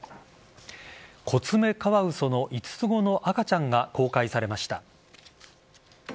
コツメカワウソの５つ子の赤ちゃんが公開されました。